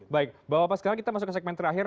baik bahwa sekarang kita masuk ke segmen terakhir